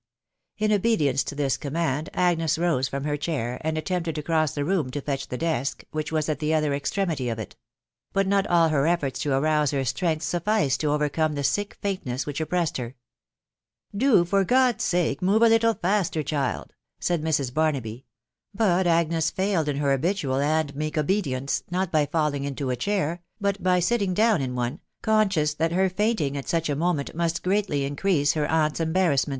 '* In obedience to this command, Agnes rose from her chair, and attempted to cross the room to fetch the desk, which was at the other extremity of it ; but not all her efforts to arouse her strength sufficed to overcome the sick faintness which oppressed her. *'Do, for God's sake, move a little faster, child," said Mrs. Barnaby ; but Agnes failed in her habitual and meek obedience, not by falling into a chair, but by sitting down in one, conscious that her fainting at such a moment must greatly increase her aunt's embarrassment.